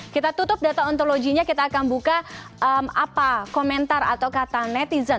kita tutup data ontologinya kita akan buka apa komentar atau kata netizen